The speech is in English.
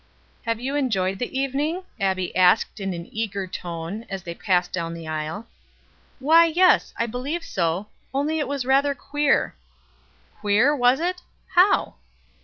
"Have you enjoyed the evening?" Abbie asked in an eager tone, as they passed down the aisle. "Why, yes, I believe so; only it was rather queer." "Queer, was it? How?"